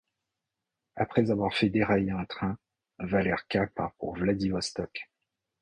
Après avoir fait dérailler un train, Valerka part pour Vladivostok.